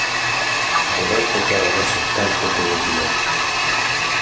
All'epoca era soltanto teoria.